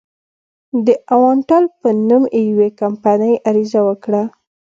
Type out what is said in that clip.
د اوانټل په نوم یوې کمپنۍ عریضه وکړه.